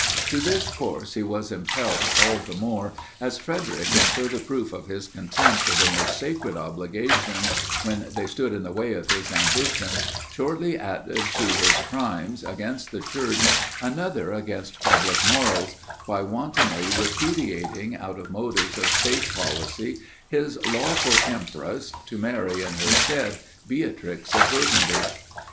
To this course he was impelled all the more as Frederic, in further proof of his contempt of the most sacred obligations, when they stood in the way of his ambition, shortly added to his crimes against the Church another against public morals, by wantonly repudiating, out of motives of state policy, his lawful empress, to marry in her stead Beatrix of Burgundy.